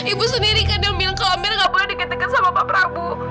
ibu sendiri kadang bilang kalau amir nggak boleh dikaitkan sama pak prabu